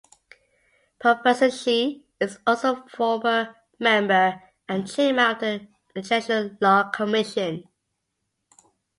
Professor Shi is also a former member and chairman of the International Law Commission.